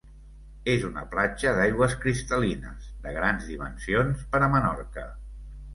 És una platja d'aigües cristal·lines, de grans dimensions per a Menorca.